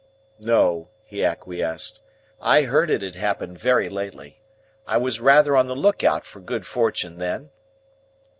"No," he acquiesced: "I heard it had happened very lately. I was rather on the lookout for good fortune then."